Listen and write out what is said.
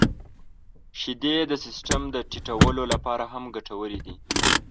• شیدې د سیستم د ټيټولو لپاره هم ګټورې دي.